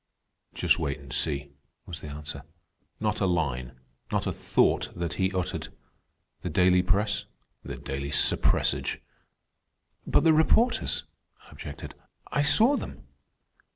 "Just wait and see," was the answer. "Not a line, not a thought that he uttered. The daily press? The daily suppressage!" "But the reporters," I objected. "I saw them."